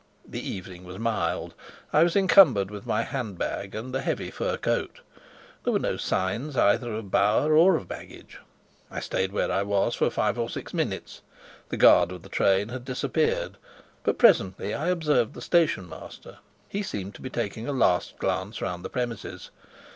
The evening was mild; I was encumbered with my hand bag and a heavy fur coat. There were no signs either of Bauer or of baggage. I stayed where I was for five or six minutes. The guard of the train had disappeared, but presently I observed the station master; he seemed to be taking a last glance round the premises.